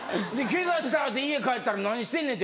ケガしたって家帰ったら「何してんねん！」